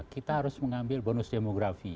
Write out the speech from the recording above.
kita harus mengambil bonus demografi